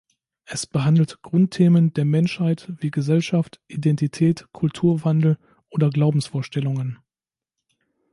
Es behandelt Grundthemen der Menschheit wie Gesellschaft, Identität, Kulturwandel oder Glaubensvorstellungen.